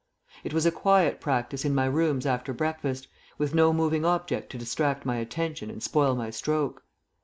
It was a quiet practice in my rooms after breakfast, with no moving object to distract my attention and spoil my stroke.